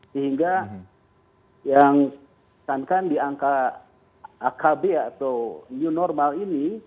sehingga yang disankan di angka akb atau new normal ini